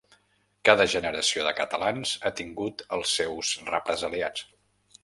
Cada generació de catalans ha tingut els seus represaliats.